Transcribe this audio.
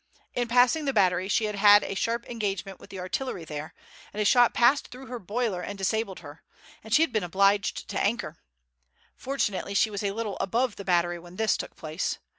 In passing the battery she had had a sharp engagement with the artillery there, and a shot had passed through her boiler and disabled her, and she had been obliged to anchor. Fortunately she was a little above the battery when this took place.